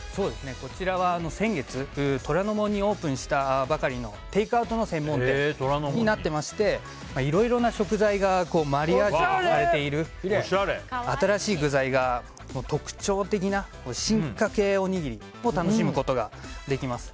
こちらは先月虎ノ門にオープンしたばかりのテイクアウトの専門店になっていましていろいろな食材がマリアージュされている新しい具材が特徴的な進化形おにぎりを楽しむことができます。